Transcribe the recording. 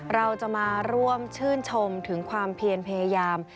เราจะมาร่วมชื่นชมถึงความเพียรพยายาม